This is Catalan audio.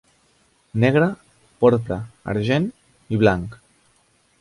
Negre, porpra, argent i blanc.